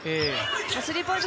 スリーポイント